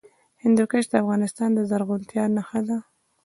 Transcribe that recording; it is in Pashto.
هندوکش د افغانستان د زرغونتیا نښه ده.